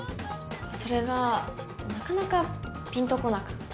それがなかなかピンとこなくって。